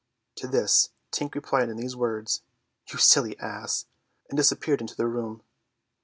To this Tink replied in these words, "You silly ass," and disappeared into the bathroom.